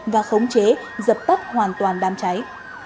và khống chế dập tắt hoàn toàn đám cháy